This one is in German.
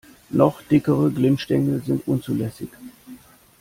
Noch dickere Glimmstängel sind unzulässig.